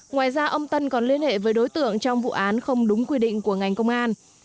ngoài ra ông tân còn liên hệ với đối tượng trong vụ án không đúng quy định của ngành công an